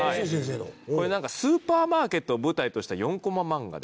これスーパーマーケットを舞台とした４コマ漫画で。